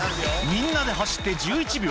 みんなで走って１１秒。